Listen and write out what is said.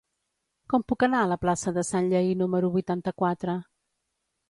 Com puc anar a la plaça de Sanllehy número vuitanta-quatre?